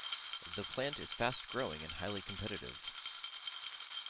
The plant is fast-growing and highly competitive.